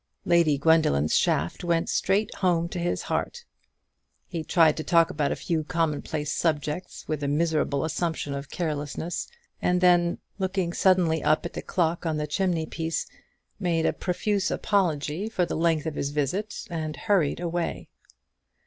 Lady Gwendoline's shaft went straight home to his heart. He tried to talk about a few commonplace subjects with a miserable assumption of carelessness; and then, looking suddenly up at the clock on the chimney piece, made a profuse apology for the length of his visit, and hurried away.